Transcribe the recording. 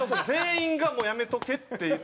全員がもうやめとけって。